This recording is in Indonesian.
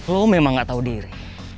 lo memang gak tahu diri